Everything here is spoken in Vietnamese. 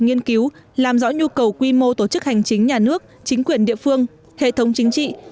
nghiên cứu làm rõ nhu cầu quy mô tổ chức hành chính nhà nước chính quyền địa phương hệ thống chính trị